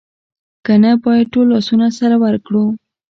که نه باید ټول لاسونه سره ورکړو